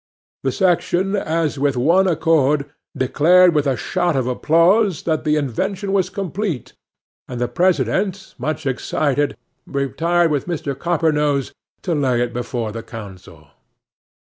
'The section, as with one accord, declared with a shout of applause that the invention was complete; and the President, much excited, retired with Mr. Coppernose to lay it before the council.